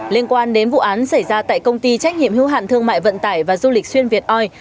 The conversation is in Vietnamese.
liên quan đến vụ án xảy ra tại công ty trách nhiệm hưu hạn thương mại vận tải và du lịch xuyên việt oi